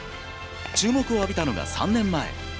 注目を浴びたのが３年前。